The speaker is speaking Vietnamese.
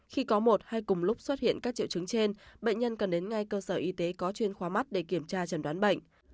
khi có một hay cùng lúc xuất hiện các triệu chứng trên bệnh nhân cần đến ngay cơ sở y tế có chuyên khoa mắt để kiểm tra trần đoán bệnh